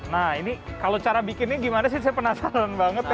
nah ini kalau cara bikinnya gimana sih saya penasaran banget ya